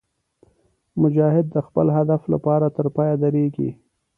مجاهد د خپل هدف لپاره تر پایه درېږي.